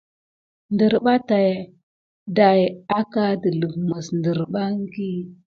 Nderɓa tät ɗay akà delif mis ŋderba hiki.